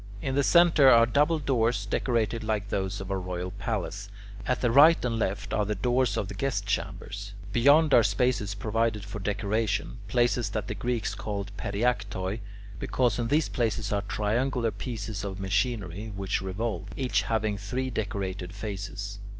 In the centre are double doors decorated like those of a royal palace. At the right and left are the doors of the guest chambers. Beyond are spaces provided for decoration places that the Greeks call [Greek: periaktoi], because in these places are triangular pieces of machinery ([Greek: D, D]) which revolve, each having three decorated faces.